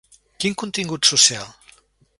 Quin contingut social?